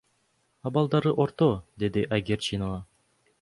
Абалдары орто, — деди Айгерчинова.